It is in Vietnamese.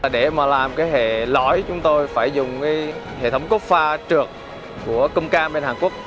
để mà làm cái hệ lõi chúng tôi phải dùng hệ thống cốt pha trượt của kumkam bên hàn quốc